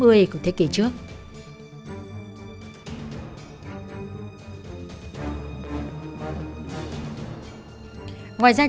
ngoài ra chị này còn có thói quen đi lễ chùa và mỗi lần như vậy thường khấn vái rất lâu